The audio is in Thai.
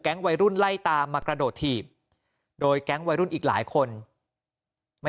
วัยรุ่นไล่ตามมากระโดดถีบโดยแก๊งวัยรุ่นอีกหลายคนไม่